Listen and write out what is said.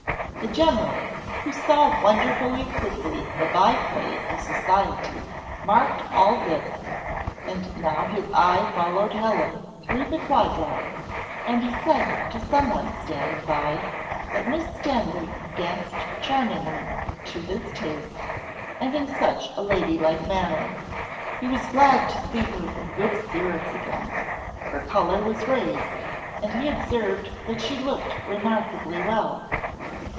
The general, who saw wonderfully quickly the by play of society, marked all this, and now his eye followed Helen through the quadrille, and he said to some one standing by, that Miss Stanley danced charmingly, to his taste, and in such a lady like manner. He was glad to see her in good spirits again; her colour was raised, and he observed that she looked remarkably well.